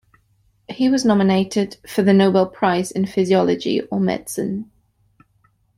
He was nominated for the Nobel Prize in Physiology or Medicine.